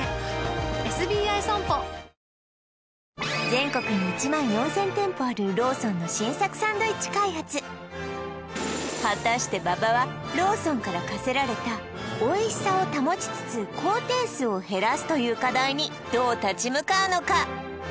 全国に１万４０００店舗あるローソンの新作サンドイッチ開発果たして馬場はローソンから課せられたという課題にどう立ち向かうのか？